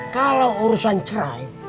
kalau urusan cerai